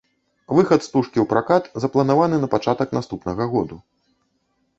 Выхад стужкі ў пракат запланаваны на пачатак наступнага году.